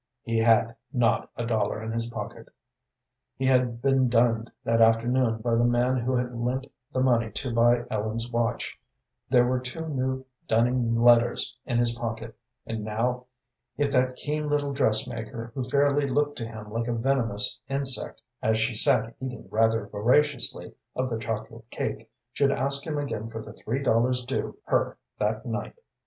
He had not a dollar in his pocket. He had been dunned that afternoon by the man who had lent the money to buy Ellen's watch, there were two new dunning letters in his pocket, and now if that keen little dressmaker, who fairly looked to him like a venomous insect, as she sat eating rather voraciously of the chocolate cake, should ask him again for the three dollars due her that night!